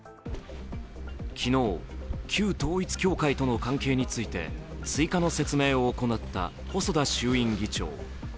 昨日、旧統一教会との関係について追加の説明を行った細田衆院議長。